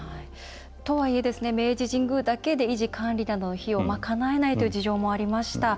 とはいえ、明治神宮だけで維持管理の費用を賄えないという事情もありました。